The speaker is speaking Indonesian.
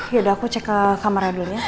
yaudah aku cek ke kamar aja dulu ya